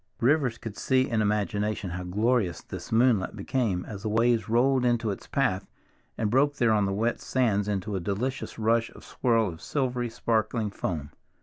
Rivers could see in imagination how glorious this moonlight became as the waves rolled into its path and broke there on the wet sands into a delicious rush and swirl of silvery sparkling foam.